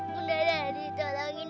mas putri gak ada lagi